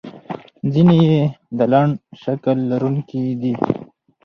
ځینې یې د لنډ شکل لرونکي دي.